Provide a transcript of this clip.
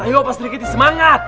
ayo pas sedikit semangat